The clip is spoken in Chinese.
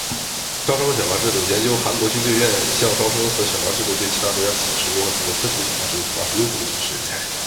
招生和选拔制度：研究韩国军队院校招生和选拔制度对其他国家的启示，如何通过科学的选拔制度选拔出优秀的军事人才